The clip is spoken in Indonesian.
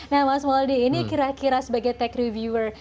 nah mas waldi ini kira kira sebagai tech reviewer